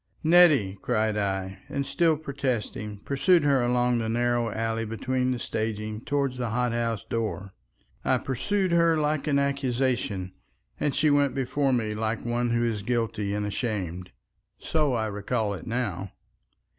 "Nettie!" cried I, and still protesting, pursued her along the narrow alley between the staging toward the hot house door. I pursued her like an accusation, and she went before me like one who is guilty and ashamed. So I recall it now.